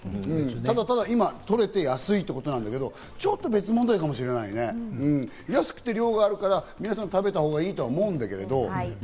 ただただ今とれて安いってことだけど、ちょっと別問題かもしれないね。安くて量があるから、皆さん食べたほうがいいとは思うんだけど。